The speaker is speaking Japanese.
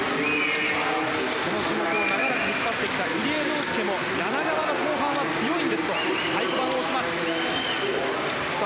この種目を長らく引っ張ってきた入江陵介も柳川の後半は強いんですと太鼓判を押します。